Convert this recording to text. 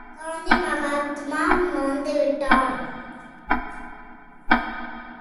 காந்தி மகாத்மா வந்துவிட்டார்.